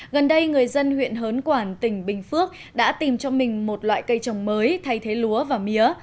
gần đây người dân huyện hớn quản tỉnh bình phước đã tìm cho mình một loại cây trồng mới thay thế lúa và mía